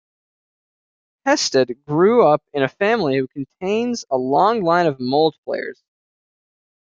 Hestad grew up in a family who contains a long line of Molde players.